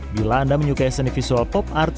bila anda menyukai seni visual pop art